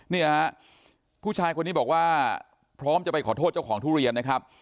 เนี่ยฮะผู้ชายคนนี้บอกว่าพร้อมจะไปขอโทษเจ้าของทุเรียนนะครับ